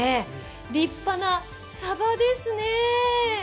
立派なサバですね。